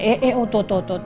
eh eh tuh tuh tuh